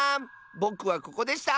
ぼくはここでした！